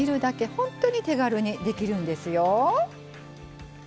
ほんとに手軽にできるんですよ。